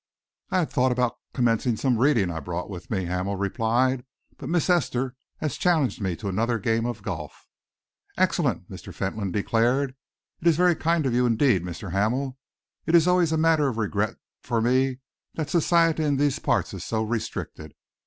"I had thought of commencing some reading I brought with me," Hamel replied, "but Miss Esther has challenged me to another game of golf." "Excellent!" Mr. Fentolin declared. "It is very kind of you indeed, Mr. Hamel. It is always a matter of regret for me that society in these parts is so restricted.